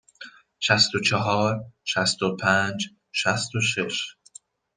شصت و چهار، شصت و پنج، شصت و شش.